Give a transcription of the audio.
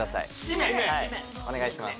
はいお願いします